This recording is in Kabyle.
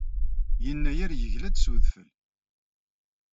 Yennayer yegla-d s udfel.